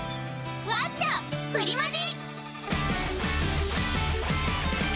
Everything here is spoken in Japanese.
ワッチャプリマジ！